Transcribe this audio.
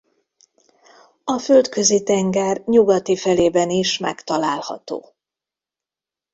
A Földközi-tenger nyugati felében is megtalálható.